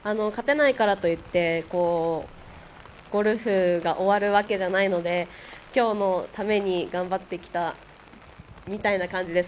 勝てないからといって、ゴルフが終わるわけじゃないので、今日のために頑張ってきたみたいな感じです。